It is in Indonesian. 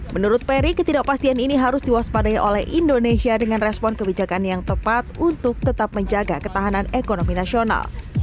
menurut peri ketidakpastian ini harus diwaspadai oleh indonesia dengan respon kebijakan yang tepat untuk tetap menjaga ketahanan ekonomi nasional